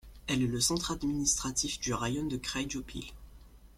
Elle est le centre administratif du raïon de Kryjopil.